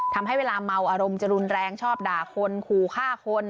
ทำให้เวลาเมาอารมณ์จะรุนแรงชอบด่าคนขู่ฆ่าคน